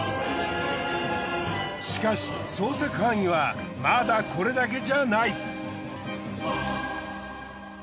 しかし捜索範囲はまだこれだけじゃない。